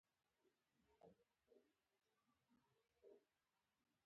په نړۍ کې یې د انسانانو نفوس له ډېرښت سره مرسته وکړه.